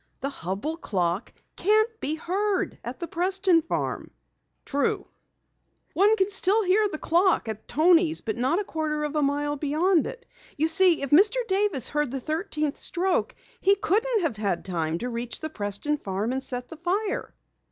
The Hubell clock can't be heard at the Preston farm." "True." "One can still hear the clock at Toni's but not a quarter of a mile beyond it. You see, if Mr. Davis heard the thirteenth stroke, he couldn't have had time to reach the Preston farm and set the fire."